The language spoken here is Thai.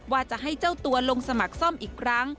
ว่าจะให้เจ้าตัวลงสมัครซ่อมอีกครั้ง